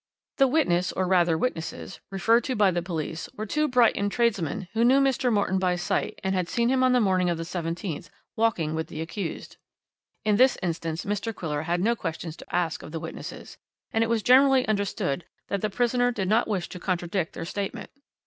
"The witness, or rather witnesses, referred to by the police were two Brighton tradesmen who knew Mr. Morton by sight and had seen him on the morning of the 17th walking with the accused. "In this instance Mr. Quiller had no question to ask of the witnesses, and it was generally understood that the prisoner did not wish to contradict their statement.